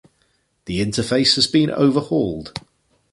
The interface has been overhauled.